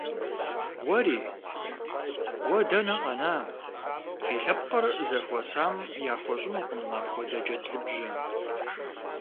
Уэри? Уэ дэнэ къэна, фи лъэпкъыр зэхуэсам яхуэщӀынукъым апхуэдэ джэдлыбжьэ.